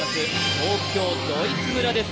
東京ドイツ村です。